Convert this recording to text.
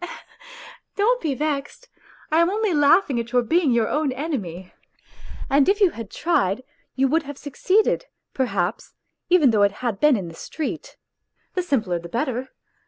..."" Don't be vexed ; I am only laughing at your being your own enemy, and if you had tried you would have succeeded, perhaps, even though it had been in the street ; the simpler the better.